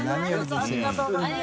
ありがとうございます。